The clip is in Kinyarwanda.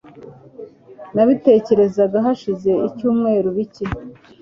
Nabitekerezaga hashize ibyumweru bike.